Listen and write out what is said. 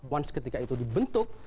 once ketika itu dibentuk